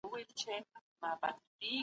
په ټولنه کې د سياست له لارې پرېکړې نه کېږي؟